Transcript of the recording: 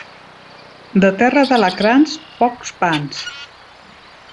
De terra d'alacrans, pocs pans.